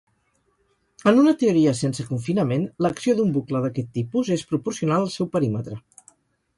En una teoria sense confinament, l'acció d'un bucle d'aquest tipus és proporcional al seu perímetre.